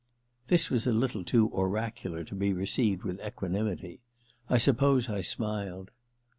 * This was a little too oracular to be received with equanimity. I suppose I smiled.